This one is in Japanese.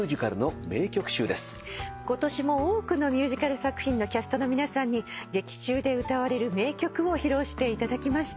今年も多くのミュージカル作品のキャストの皆さんに劇中で歌われる名曲を披露していただきました。